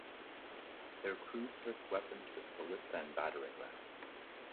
Their crew-served weapons were the ballista and the battering ram.